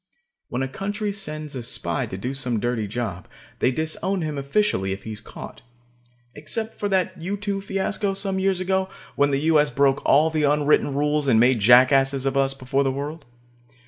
When a country sends a spy to do some dirty job, they disown him officially if he is caught. Except for that U 2 fiasco some years ago, when the U.S. broke all the unwritten rules and made jackasses of us before the world.